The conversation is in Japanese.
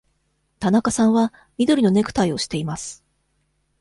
田中さんは緑のネクタイをしています。